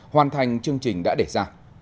hoàn thành chương trình đã để ra